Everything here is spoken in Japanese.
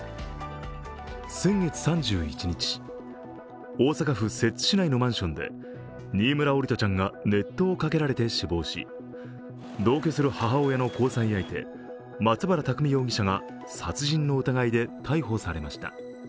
先月３１日、大阪府摂津市内のマンションで新村桜利斗ちゃんが熱湯をかけられて死亡し、同居する母親の交際相手、松原拓海容疑者が殺人の疑いで逮捕されました。